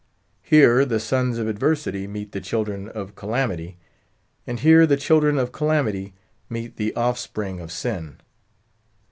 Here the sons of adversity meet the children of calamity, and here the children of calamity meet the offspring of sin.